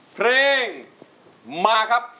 เพลงมาครับ